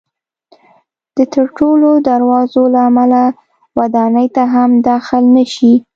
د تړلو دروازو له امله ودانۍ ته هم داخل نه شي.